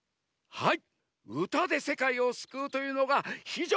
はい！